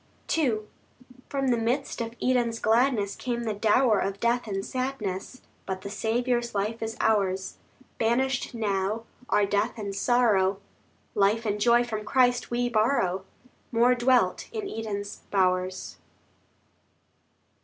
II From the midst of Eden's gladness Came the dower of death and sadness, But the Saviour's life is ours. Banished now are death and sorrow; Life and joy from Christ we borrow, More dwelt in Eden's bowers.